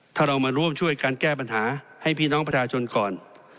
ถ้าเรามาร่วมช่วยการแก้ปัญหาให้พี่น้องประชาชนก่อน